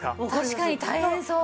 確かに大変そう。